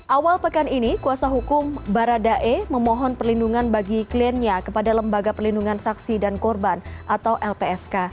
awal pekan ini kuasa hukum baradae memohon perlindungan bagi kliennya kepada lembaga perlindungan saksi dan korban atau lpsk